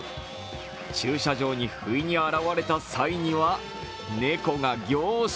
駐車場にふいに現れた際には猫が凝視。